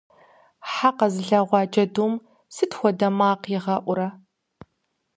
Хьэ къэзылъэгъуа джэдум сыт хуэдэ макъ игъэӀурэ?